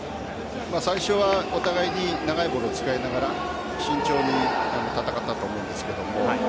最初はお互いに長いボールを使いながら慎重に戦ったと思うんですが。